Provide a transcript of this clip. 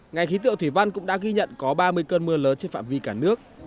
ngày khí tượng thủy văn cũng đã ghi nhận có ba mươi cơn mưa lớn trên phạm vi cả nước